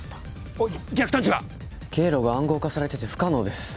おい逆探知は⁉経路が暗号化されてて不可能です。